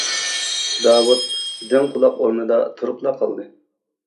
داۋۇت دىڭ قۇلاق ئورنىدا تۇرۇپلا قالدى.